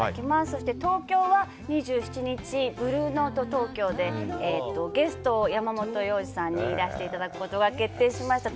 そして東京は２７日ブルーノート東京でゲスト、山本耀司さんにいらしていただくことが決定しました。